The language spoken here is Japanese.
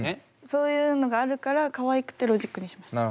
そういうのがあるからかわいくてロジックにしました。